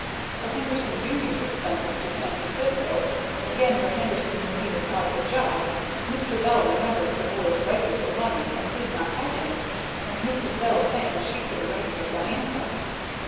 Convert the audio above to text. For Henderson, Jr.'s, expenses to San Francisco, and again for Henderson when he was out of a job Mr. Bell remembered the boy's writing for the money, and his not having it, and Mrs. Bell saying she could arrange with Diantha.